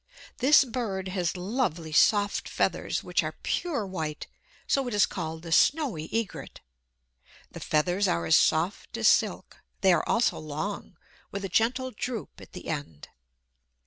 This bird has lovely soft feathers, which are pure white; so it is called the snowy egret. The feathers are as soft as silk. They are also long, with a gentle droop at the end.